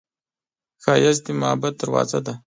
ښایست د محبت دروازه ده